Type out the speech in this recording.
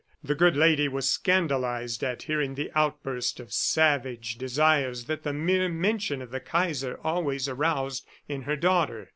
The good lady was scandalized at hearing the outburst of savage desires that the mere mention of the Kaiser always aroused in her daughter.